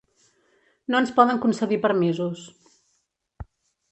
No ens poden concedir permisos.